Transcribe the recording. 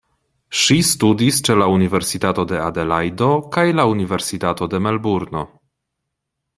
Ŝi studis ĉe la universitato de Adelajdo kaj la universitato de Melburno.